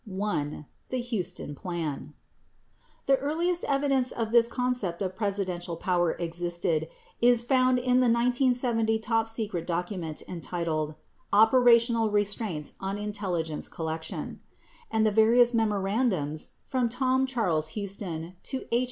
1. THE HUSTON PLAN The earliest evidence that this concept of presidential power existed is found in a 1970 top secret document entitled "Operational Restraints on Intelligence Collection," 16 and the various memorandums from Tom Charles Huston to H.